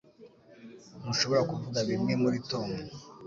Ntushobora kuvuga bimwe muri Tom